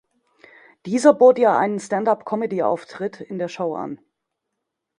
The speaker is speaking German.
Dieser bot ihr einen Stand-Up-Comedy-Auftritt in der Show an.